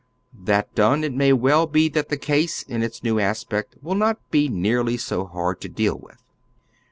That done, it may well be that the case in its new aspect will not be nearly so hard to deal with.